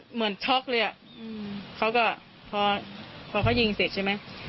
เหมือนช็อกเลยอะพอเขายิงเสร็จใช่มั้ย